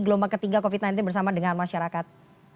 gelombang ketiga covid sembilan belas bersama dengan masyarakat